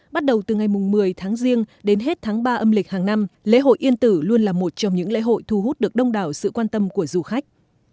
bắt đầu từ ngày một mươi tháng riêng đến hết tháng ba âm lịch hàng năm lễ hội yên tử luôn là một trong những lễ hội thu hút được đông đảo sự quan tâm của du khách